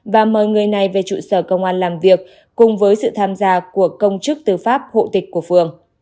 và mời người này về trụ sở công an làm việc cùng với sự tham gia của công chức tư pháp hộ tịch của phường